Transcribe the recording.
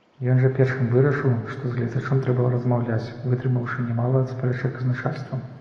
Ён жа першым вырашыў, што з гледачом трэба размаўляць, вытрымаўшы нямала спрэчак з начальствам.